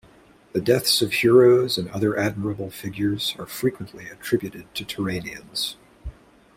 The deaths of heroes and other admirable figures are frequently attributed to Turanians.